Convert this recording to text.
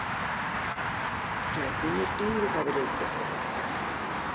جادهی غیرقابل استفاده